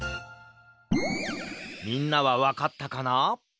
みんなはわかったかな？